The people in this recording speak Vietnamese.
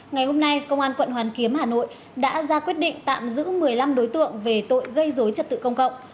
ngày hôm nay công an quận hoàn kiếm hà nội đã ra quyết định tạm giữ một mươi năm đối tượng về tội gây dối trật tự công cộng